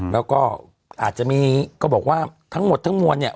แล้วก็อาจจะมีก็บอกว่าทั้งหมดทั้งมวลเนี่ย